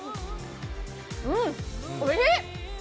うん、おいしい！